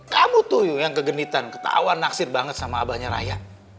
kamu tuh yang kegenitan ketahuan naksir banget sama abahnya rakyat